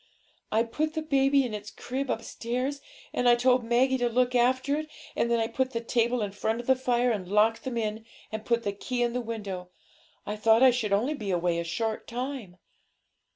I put the baby in its crib upstairs, and I told Maggie to look after it, and then I put the table in front of the fire, and locked them in, and put the key in the window. I thought I should only be away a short time.'